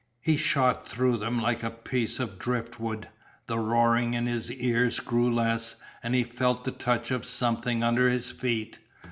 He shot through them like a piece of driftwood. The roaring in his ears grew less, and he felt the touch of something under his feet.